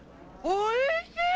おいしい！